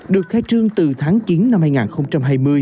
được khai trương từ tháng chín năm hai nghìn hai mươi